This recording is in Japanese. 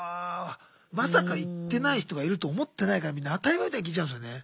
まさか行ってない人がいるとは思ってないからみんな当たり前みたいに聞いちゃうんですよね。